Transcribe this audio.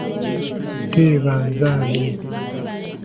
Teeba, nze ani?